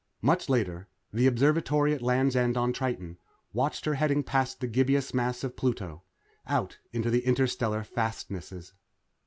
Much later, the Observatory at Land's End on Triton watched her heading past the gibbous mass of Pluto out into the interstellar fastnesses.